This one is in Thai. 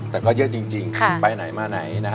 แต่ก็เยอะจริงไปไหนมาไหน